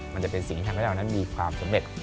มันจะเป็นสิ่งที่ทำให้เรานั้นมีความสำเร็จ